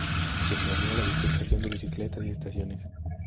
Se planea la duplicación de bicicletas y estaciones.